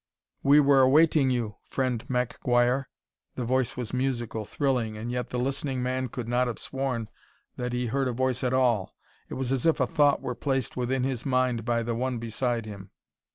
"We were awaiting you, friend Mack Guire." The voice was musical, thrilling, and yet the listening man could not have sworn that he heard a voice at all. It was as if a thought were placed within his mind by the one beside him.